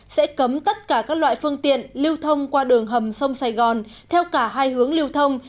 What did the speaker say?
sẽ cấm tất cả các loại phương tiện lưu thông qua đường hầm sông sài gòn theo cả hai hướng lưu thông